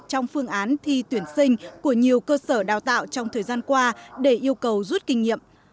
trong phương án thi tuyển sinh của nhiều cơ sở đào tạo trong thời gian qua để yêu cầu rút kinh nghiệm